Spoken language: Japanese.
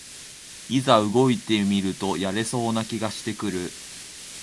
いざ動いてみるとやれそうな気がしてくる